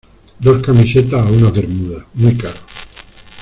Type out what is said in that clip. dos camisetas o unas bermudas. muy caro .